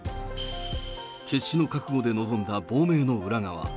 決死の覚悟で臨んだ亡命の裏側。